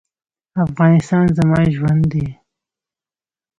افغانستان زما ژوند دی؟